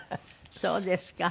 そうですか。